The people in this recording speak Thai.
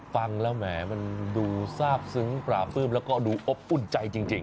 ฟังแล้วแหมมันดูทราบซึ้งปราบปื้มแล้วก็ดูอบอุ่นใจจริง